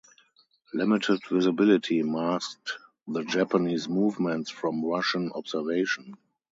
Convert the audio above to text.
Limited visibility masked the Japanese movements from Russian observation.